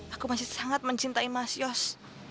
aku masih sangat mencintai mas yos